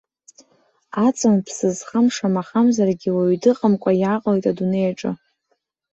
Аҵан ԥсы зхам шамахамзаргьы уаҩы дыҟамкәа иааҟалеит адунеи аҿы.